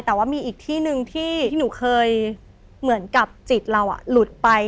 แต่ว่ามีอีกที่หนึ่งที่หนูเคยเหมือนกับจิตเราหลุดไป